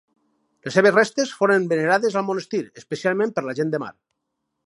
Les seves restes foren venerades al monestir, especialment per la gent de mar.